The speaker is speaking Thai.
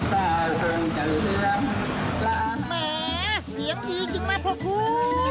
แหมเสียงดีจริงนะพ่อคุณ